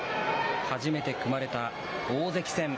初めて組まれた大関戦。